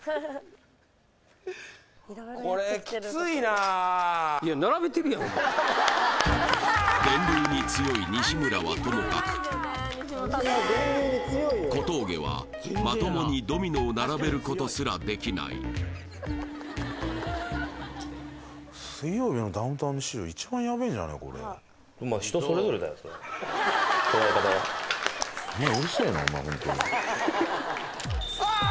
あー電流に強い西村はともかく小峠はまともにドミノを並べることすらできないだがあーっ！